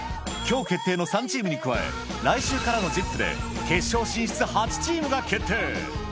きょう決定の３チームに加え、来週からのＺＩＰ！で、決勝進出８チームが決定。